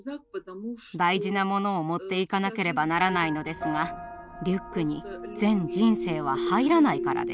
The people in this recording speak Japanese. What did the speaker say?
大事なものを持っていかなければならないのですがリュックに全人生は入らないからです。